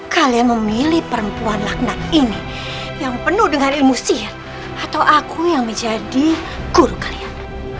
kalian memilih perempuan lakna ini yang penuh dengan ilmu sihir atau aku yang menjadi guru kalian